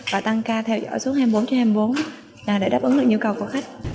và tăng ca theo dõi suốt hai mươi bốn h hai mươi bốn h để đáp ứng được nhu cầu của khách